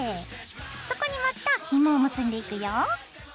そこにまたひもを結んでいくよ。